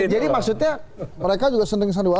jadi maksudnya mereka juga suka sandiwara